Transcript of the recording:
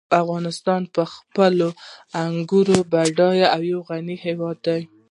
افغانستان په خپلو انګورو باندې یو غني هېواد دی.